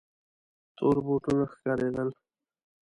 تور بوټونه ښکارېدل.